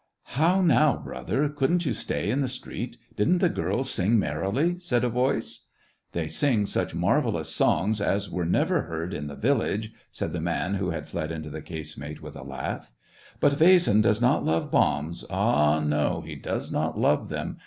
"How now, brother! couldn't you stay in the street.^ Didn't the girls sing merrily.^" said a voice. " They sing such marvellous songs as were never 230 SEVASTOPOL IN AUGUST. heard in the village," said the man who had fled into the casemate, with a laugh. "But Vasin does not love bombs — ah, no, he does not love them!"